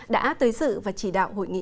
đã tới dự và chỉ đạo hội nghị